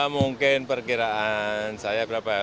mungkin perkiraan saya berapa lima ribu lima ratus empat puluh lima lah